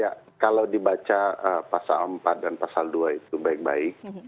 ya kalau dibaca pasal empat dan pasal dua itu baik baik